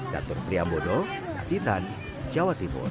jatuh priam bono pacitan jawa timur